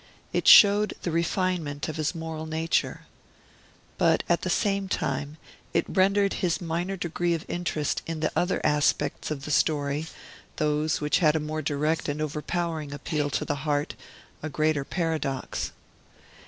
It showed the refinement of his moral nature. But, at the same time, it rendered his minor degree of interest in the other episodes of the story, those which had a more direct and overpowering appeal to the heart, a greater paradox.